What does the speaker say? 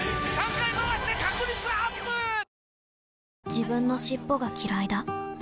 自分の尻尾がきらいだ